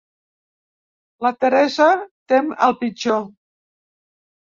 La Teresa tem el pitjor.